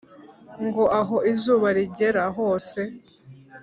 ngo aho izuba rigera hose